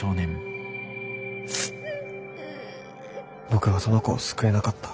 僕はその子を救えなかった。